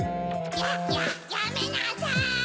やっやっやめなさい！